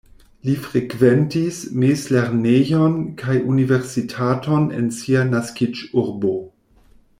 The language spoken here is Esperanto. Li frekventis mezlernejon kaj universitaton en sia naskiĝurbo.